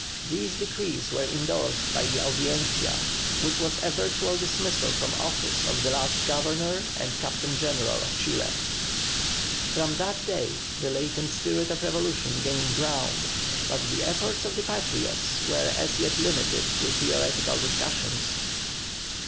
These decrees were endorsed by the Audiencia, which was a virtual dismissal from office of the last Governor and Captain General of Chile. From that day the latent spirit of revolution gained ground, but the efforts of the Patriots were as yet limited to theoretical discussions.